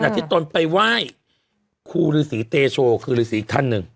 แต่ที่ตนไปไหว้ครูฤษีเตโชคือฤษีอีกท่านหนึ่ง